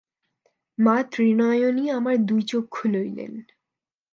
মা ত্রিনয়নী আমার দুইচক্ষু লইলেন।